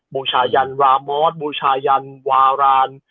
บูชายันรามอสบูชายันวาราน